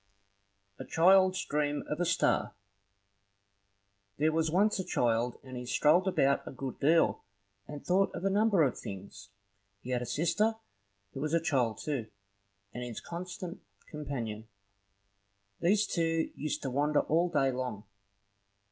A CHILD'S DREAM OF A STAR. BY CHARLES DICKENS. here was once a child, and he strolled about a good deal, and thought of a number of things. He had a sister, who was a child too, and his constant companion. These two used to wonder all day long.